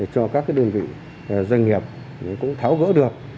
cho các đơn vị doanh nghiệp cũng tháo gỡ được